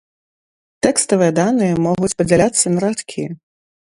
Тэкставыя даныя могуць падзяляцца на радкі.